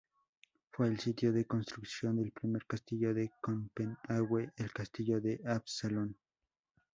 Fue el sitio de construcción del primer castillo de Copenhague, el Castillo de Absalón.